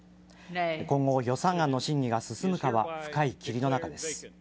今後、予算案の審議が進むかは深い霧の中です。